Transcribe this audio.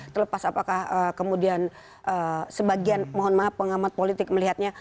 terlepas apakah kemudian sebagian mohon maaf pengamat politik melihatnya